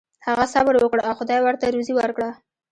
هغه صبر وکړ او خدای ورته روزي ورکړه.